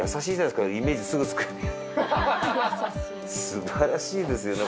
すばらしいですよね